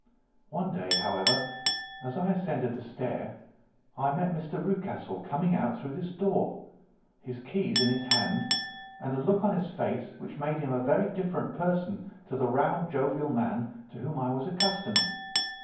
One day, however, as I ascended the stair, I met Mr. Rucastle coming out through this door, his keys in his hand, and a look on his face which made him a very different person to the round, jovial man to whom I was accustomed.